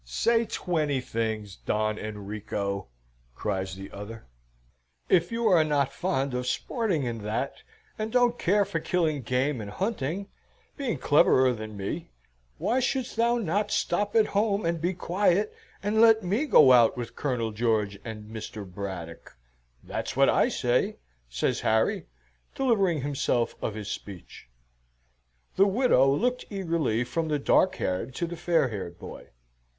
"Say twenty things, Don Enrico," cries the other. "If you are not fond of sporting and that, and don't care for killing game and hunting, being cleverer than me, why shouldst thou not stop at home and be quiet, and let me go out with Colonel George and Mr. Braddock? that's what I say," says Harry, delivering himself of his speech. The widow looked eagerly from the dark haired to the fair haired boy.